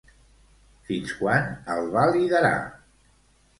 Fins quan el va liderar?